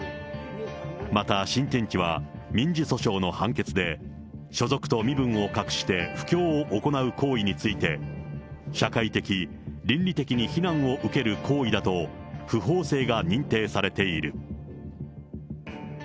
また、新天地は民事訴訟の判決で、所属と身分を隠して布教を行う行為について、社会的、倫理的に非難を受ける行為だと、不法性が認定されている。